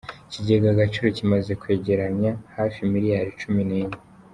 Ikigega Agaciro kimaze kwegeranya hafi miliyari Cumi nenye